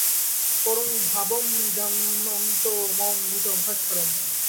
পরং ভাবমজানন্তো মম ভূত মহেশ্বরম্।